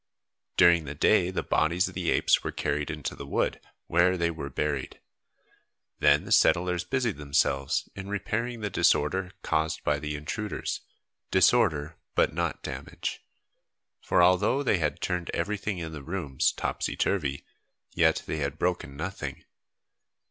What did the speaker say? During the day the bodies of the apes were carried into the wood, where they were buried; then the settlers busied themselves in repairing the disorder caused by the intruders, disorder but not damage, for although they had turned everything in the rooms topsy turvy, yet they had broken nothing.